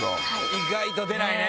意外と出ないね。